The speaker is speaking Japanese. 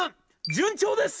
「順調です！